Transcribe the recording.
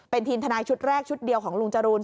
เป็นทีมทนายชุดแรกชุดเดียวของลุงจรูน